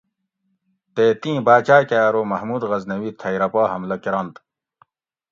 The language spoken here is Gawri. تے تیں باچاکہ ارو محمود غزنوی تھئ رہ پا حملہ کۤرنت